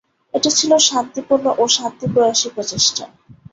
এটা ছিল শান্তিপূর্ণ ও শান্তিপ্রয়াসী প্রচেষ্টা।